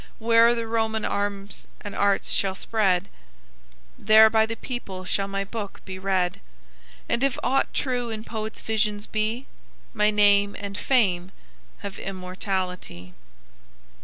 Where'er the Roman arms and arts shall spread There by the people shall my book be read; And, if aught true in poet's visions be, My name and fame have immortality."